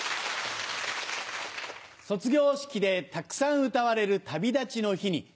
卒業式でたくさん歌われる『旅立ちの日に』。